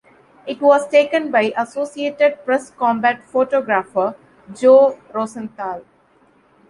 It was taken by Associated Press combat photographer Joe Rosenthal.